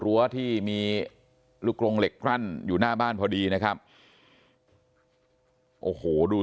รั้วที่มีลูกกรงเหล็กกลั่นอยู่หน้าบ้านพอดีนะครับโอ้โหดู